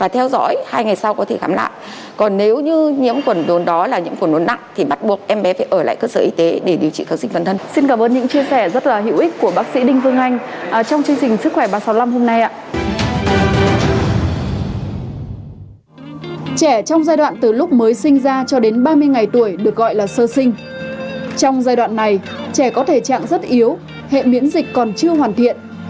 trong giai đoạn này trẻ có thể trạng rất yếu hệ miễn dịch còn chưa hoàn thiện